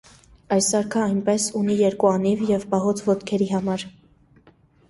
Այս սարքը այնպես, ունի երկու անիվ և պահոց ոտքերի համար։